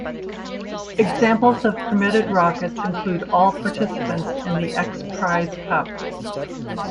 Examples of permitted rockets include all participants in the X Prize Cup.